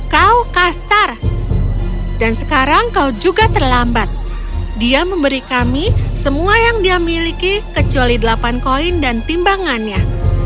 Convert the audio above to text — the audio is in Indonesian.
kau kasar dan sekarang kau juga terlambat dia memberi kami semua yang dia miliki kecuali delapan koin dan timbangannya